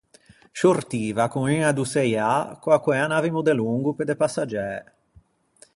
Sciortiva con uña do Çeiâ co-a quæ anavimo delongo pe de passaggiæ.